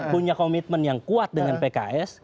punya komitmen yang kuat dengan pks